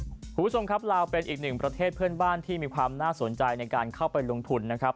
คุณผู้ชมครับลาวเป็นอีกหนึ่งประเทศเพื่อนบ้านที่มีความน่าสนใจในการเข้าไปลงทุนนะครับ